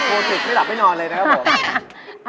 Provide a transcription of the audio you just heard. โคตรถึกที่หลับไม่นอนเลยนะครับผม